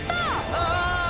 ああ！